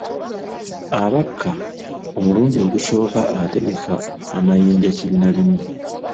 Abaka, omulundi ogusooka ategeka amayinja kinnalimu.